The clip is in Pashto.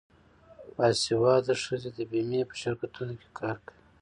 باسواده ښځې د بیمې په شرکتونو کې کار کوي.